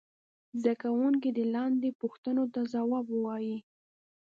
زده کوونکي دې لاندې پوښتنو ته ځواب ووايي.